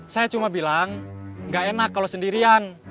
saya cuma bilang nggak enak kalau sendirian